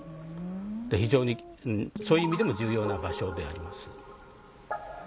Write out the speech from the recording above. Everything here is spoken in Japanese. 非常にそういう意味でも重要な場所であります。